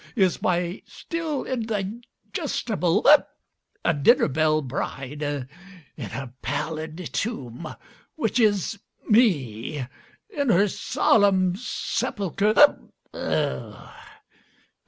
Is n^y still indigestible dinner belle bride, In her pallid tomb, which is Me, In her solemn sepulcher, Me.